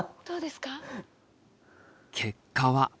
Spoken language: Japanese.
結果は？